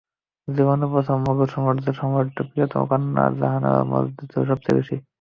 প্রথম জীবনে মোগল সাম্রাজ্যে সম্রাটের প্রিয়তম কন্যা জাহানারার মর্যাদা ছিল সবচেয়ে বেশি।